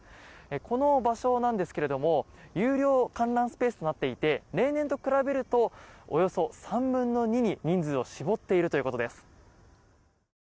この場所なんですけど有料観覧スペースとなっていて例年と比べるとおよそ３分の２に人数を絞っているということです。